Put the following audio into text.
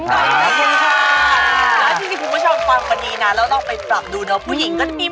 มันเป็นอะไร